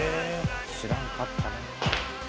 知らんかったね。